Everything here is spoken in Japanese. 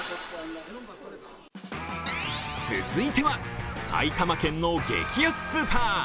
続いては、埼玉県の激安スーパー。